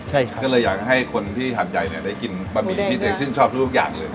ใช่ครับก็เลยอยากให้คนที่หาดใหญ่เนี่ยได้กินบะหมี่ที่ตัวเองชื่นชอบทุกอย่างเลย